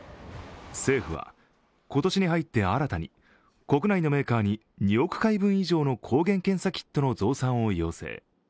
政府は今年に入って新たに国内のメーカーに２億回分以上の抗原検査キットの増産を要請。